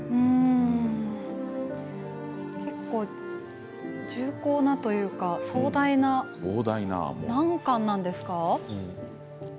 結構重厚なというか壮大な何巻なんですか？